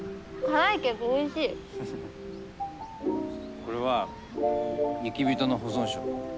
これは雪人の保存食。